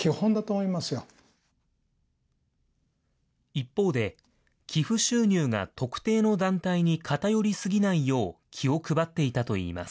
一方で、寄付収入が特定の団体に偏り過ぎないよう、気を配っていたといいます。